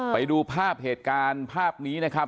ไปดูภาพเหตุการณ์ภาพนี้นะครับ